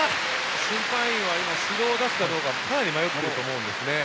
審判員は指導を出すかどうかかなり迷っていると思います。